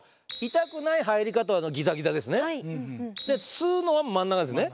吸うのは真ん中ですね。